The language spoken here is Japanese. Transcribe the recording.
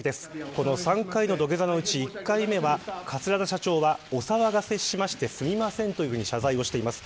この３回の土下座のうち１回目は桂田社長はお騒がせしましてすいませんと謝罪をしています。